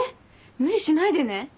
無理しないでね。